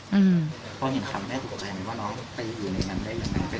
พอเห็นคำแม่ตกใจไหมว่าน้องไปอยู่ในการได้อย่างนั้น